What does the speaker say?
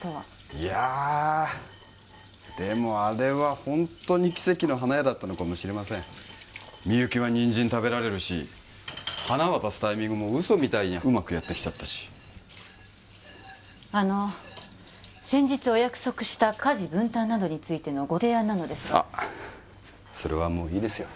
いやでもあれはホントに奇跡の花屋だったのかもしれませんみゆきはニンジン食べられるし花渡すタイミングもウソみたいにうまくやって来ちゃったしあの先日お約束した家事分担などについてのご提案なのですがあっそれはもういいですよ